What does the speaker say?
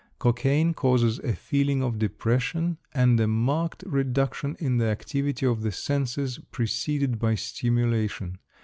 Cocaine causes a feeling of depression, and a marked reduction in the activity of the senses preceded by stimulation.